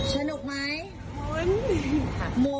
สนุกไหม